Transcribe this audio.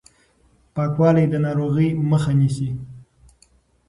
پاکوالی د ناروغۍ مخه نيسي.